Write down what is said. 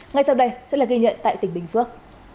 ngay sau đây sẽ là ghi nhận tại tỉnh bình phước